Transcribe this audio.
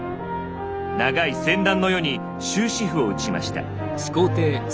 長い戦乱の世に終止符を打ちました。